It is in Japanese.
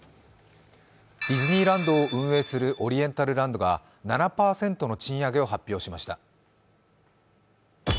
ディズニーランドを運営するオリエンタルランドが７％の賃上げを発表しました。